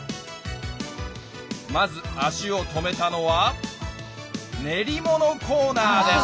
まず足を止めたのは練り物コーナーです